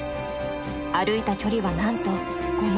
歩いた距離はなんと５０，０００ｋｍ。